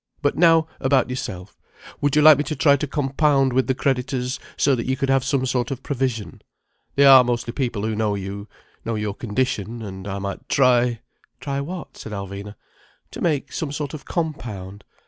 But now, about yourself. Would you like me to try to compound with the creditors, so that you could have some sort of provision? They are mostly people who know you, know your condition: and I might try—" "Try what?" said Alvina. "To make some sort of compound.